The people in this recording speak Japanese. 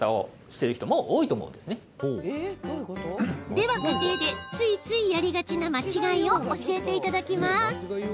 では家庭で、ついついやりがちな間違いを教えていただきます。